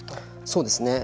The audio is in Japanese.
そうですね。